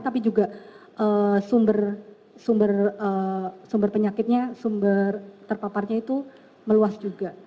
tapi juga sumber penyakitnya sumber terpaparnya itu meluas juga